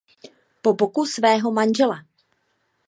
Po boku svého manžela.